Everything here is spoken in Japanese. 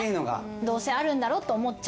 どうせあるんだろと思っちゃう。